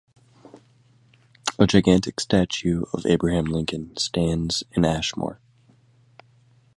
A gigantic statue of Abraham Lincoln stands in Ashmore.